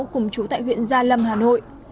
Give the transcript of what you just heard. cùng chú tại huyện gia lâm hà nội